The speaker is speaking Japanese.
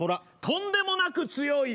とんでもなく強い。